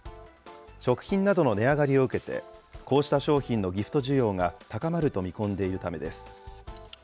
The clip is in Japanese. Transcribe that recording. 食品などの値上がりを受けて、こうした商品のギフト需要が高まると見込んでいるためです。